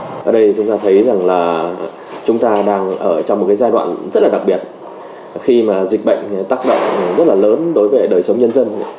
ở đây chúng ta thấy rằng là chúng ta đang ở trong một cái giai đoạn rất là đặc biệt khi mà dịch bệnh tác động rất là lớn đối với đời sống nhân dân